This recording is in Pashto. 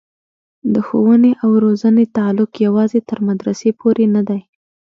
د ښوونې او روزنې تعلق یوازې تر مدرسې پورې نه دی.